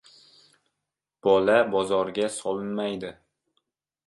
Bola bozorga solinmaydi